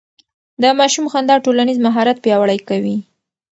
د ماشوم خندا ټولنيز مهارت پياوړی کوي.